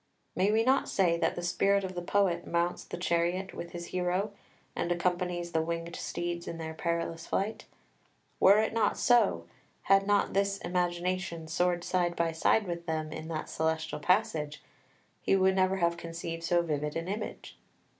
'" May we not say that the spirit of the poet mounts the chariot with his hero, and accompanies the winged steeds in their perilous flight? Were it not so, had not his imagination soared side by side with them in that celestial passage, he would never have conceived so vivid an image.